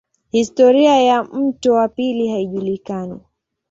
Historia ya mto wa pili haijulikani.